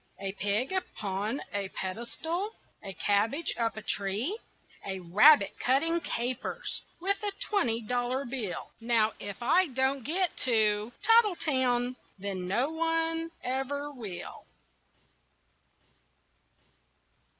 A pig upon a pedestal, A cabbage up a tree, A rabbit cutting capers With a twenty dollar bill Now if I don't get to Tattletown Then no one ever will.